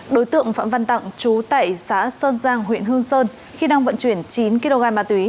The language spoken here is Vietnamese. đối tượng phạm văn tặng chú tại xã sơn giang huyện hương sơn khi đang vận chuyển chín kg ma túy